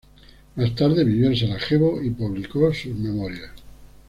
Más tarde vivió en Sarajevo y publicó sus memorias.